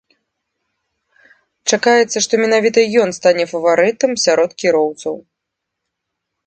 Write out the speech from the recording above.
Чакаецца, што менавіта ён стане фаварытам сярод кіроўцаў.